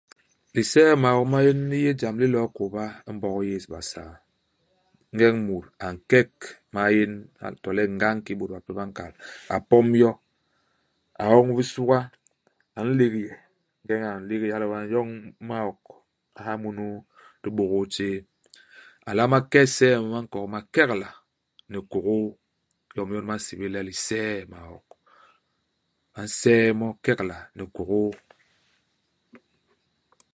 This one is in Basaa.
Lisee maok ma maén li yé jam li lo'o kôba i Mbog yés i Basaa. Ingeñ mut a nkek maén, to le ngañ kiki bôt bape ba nkal, a pom yo, a oñ bisuga, a nlégye. Ingeñ a nlégye, hala wee a nyoñ maok, a ha munu i dibôgôô tjéé. A nlama ke isee i minkok mi kekela ni kôkôa. Iyom i yon ba nsébél le lisee maok. Ba nsee mo kekela ni kôkôa.